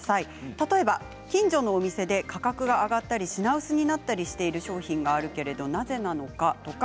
例えば、近所のお店で価格が上がったり品薄になったりしている商品があるけれどもなぜなのか？とか。